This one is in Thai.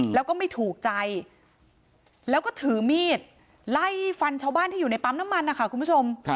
แล้วก็ไม่ถูกใจแล้วก็ถือมีดไล่ฟันชาวบ้านที่อยู่ในปั๊มน้ำมันนะคะคุณผู้ชม